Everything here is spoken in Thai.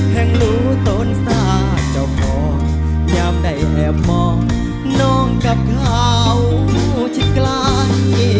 แห่งรู้ตนสาจะพอยามใดแอบมองน้องกับเขาชิดกลาย